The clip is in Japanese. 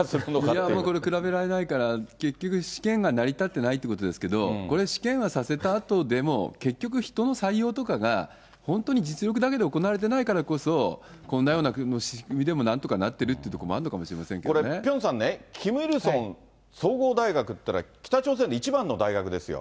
いやー、これ比べられないから、結局、試験が成り立ってないってことですけど、これ、試験はさせたあとでも、結局、人の採用とかが本当に実力だけで行われてないからこそ、こんなような仕組みでもなんとかなってるというところもあるのかこれ、ピョンさんね、金日成総合大学っていったら、北朝鮮の一番の大学ですよ。